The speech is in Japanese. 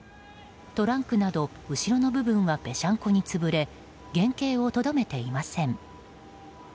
トランクなど後ろの部分はぺしゃんこに潰れ原形をとどめていません。